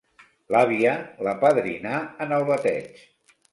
L'àvia l'apadrinà en el bateig.